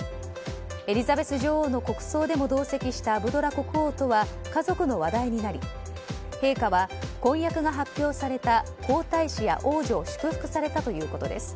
エリザベス女王の国葬でも同席したアブドラ国王とは家族の話題になり陛下は婚約が発表された皇太子や王女を祝福されたということです。